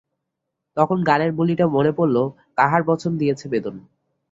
তখন গানের বুলিটা মনে পড়ল কাহার বচন দিয়েছে বেদন।